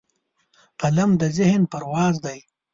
قلم د ذهن پرواز دی